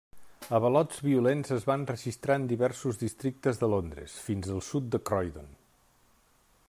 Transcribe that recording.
Avalots violents es van registrar en diversos districtes de Londres, fins al sud de Croydon.